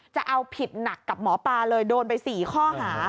จะเอาผิดหนักกับหมอปลาเลยโดนไป๔ข้อหา